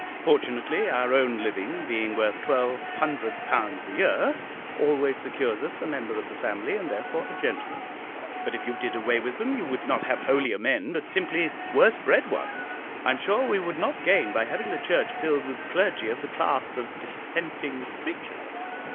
Fortunately our own living, being worth £1200 a year, always secures us a member of the family, and therefore a gentleman; but if you did away with them you would not have holier men, but simply worse bred ones. I am sure we should not gain by having the Church filled with clergy of the class of Dissenting preachers."